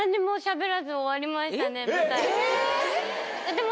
でも。